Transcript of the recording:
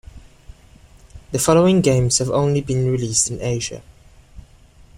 The following games have only been released in Asia.